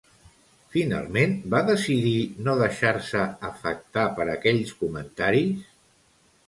Finalment, va decidir no deixar-se afectar per aquells comentaris?